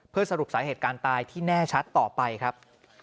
เพื่อสรุปสาเหตุการตายที่แน่ชัดต่อไปครับ